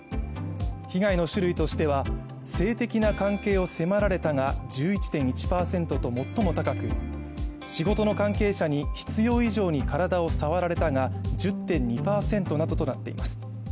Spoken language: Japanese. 被害の種類としては性的な関係を迫られたが１１．１％と最も高く、仕事の関係者に必要以上に体を触られたが１０．２％などとなっています。